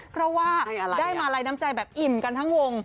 เพราะว่าได้มาลัยน้ำใจแบบอิ่มกันทั้งวง